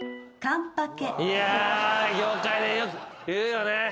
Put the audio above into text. いや業界でよく言うよね。